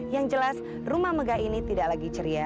yang jelas rumah megah ini tidak lagi ceria